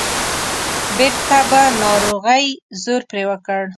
بیرته به ناروغۍ زور پرې وکړ.